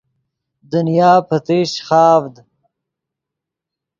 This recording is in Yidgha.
دنیا پتیشچ خاڤد